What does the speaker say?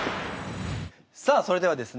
さあそれではですね